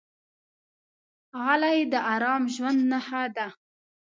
غلی، د ارام ژوند نښه ده.